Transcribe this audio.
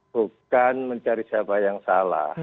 bukan mencari siapa yang salah